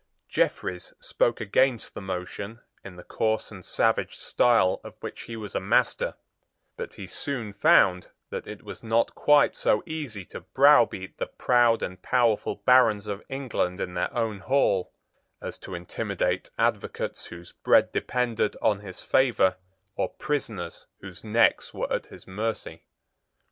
Jeffreys spoke against the motion in the coarse and savage style of which he was a master; but he soon found that it was not quite so easy to browbeat the proud and powerful barons of England in their own hall, as to intimidate advocates whose bread depended on his favour or prisoners whose necks were at his mercy.